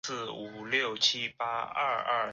香港主要的即食面品牌公仔面便是出自其公司。